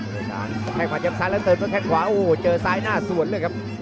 กระแทงมันยับซ้ายแล้วเติบกระแทงขวาโอ้โหเจอซ้ายหน้าสวนเลยครับ